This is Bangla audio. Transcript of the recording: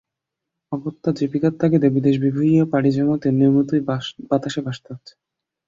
অগত্যা জীবিকার তাগিদে বিদেশ বিভুঁইয়ে পাড়ি জমাতে নিয়মিতই বাতাসে ভাসতে হচ্ছে।